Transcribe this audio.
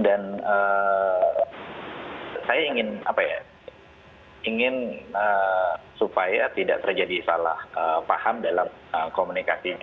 dan saya ingin supaya tidak terjadi salah paham dalam komunikasinya